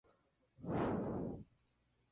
La crisis financiera mundial no afectó estos números.